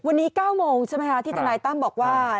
วันนี้๙โมงใช่ไหมคะที่ทนายตั้มบอกว่า